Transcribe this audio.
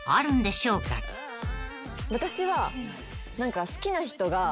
私は。